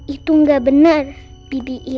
itu gak benar bibi eve